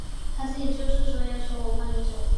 他自己就是说要求我方已久。